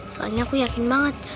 soalnya aku yakin banget